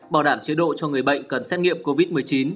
bảo đảm chế độ cho người bệnh cần xét nghiệm covid một mươi chín